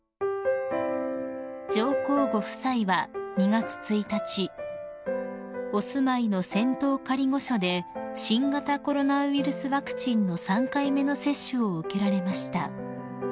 ［上皇ご夫妻は２月１日お住まいの仙洞仮御所で新型コロナウイルスワクチンの３回目の接種を受けられました］